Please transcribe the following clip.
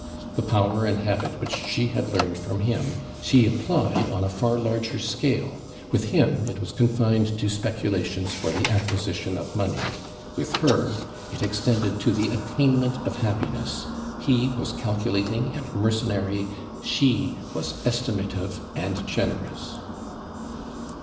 The power and habit which she had learned from him she applied on a far larger scale; with him, it was confined to speculations for the acquisition of money; with her, it extended to the attainment of happiness. He was calculating and mercenary: she was estimative and generous.